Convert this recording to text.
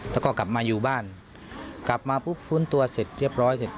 แล้วก็กลับมาอยู่บ้านกลับมาปุ๊บฟื้นตัวเสร็จเรียบร้อยเสร็จ